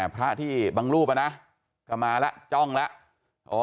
พระที่บางรูปก็มาแล้วจ้องแล้ว